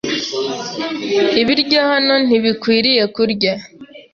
Ibiryo hano ntibikwiriye kurya.